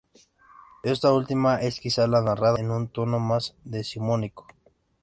Esta última es, quizá, la narrada en un tono más decimonónico.